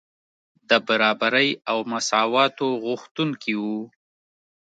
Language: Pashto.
د برابرۍ او مساواتو غوښتونکي وو.